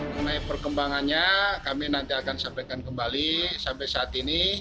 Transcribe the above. mengenai perkembangannya kami nanti akan sampaikan kembali sampai saat ini